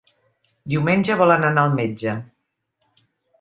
Diumenge volen anar al metge.